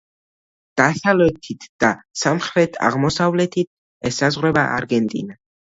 დასავლეთით და სამხრეთ-აღმოსავლეთით ესაზღვრება არგენტინა.